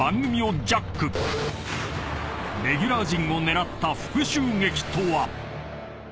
［レギュラー陣を狙った復讐劇とは？］